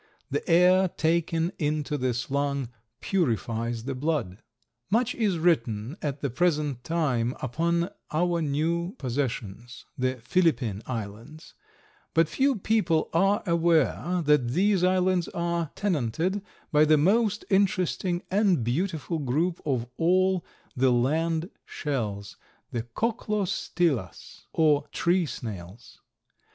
The air taken into this lung purifies the blood. Much is written at the present time upon our new possessions, the Philippine Islands, but few people are aware that these islands are tenanted by the most interesting and beautiful group of all the land shells, the Cochlostylas, or tree snails.